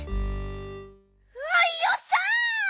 よっしゃ！